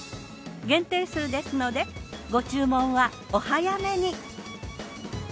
限定数ですのでご注文はお早めに。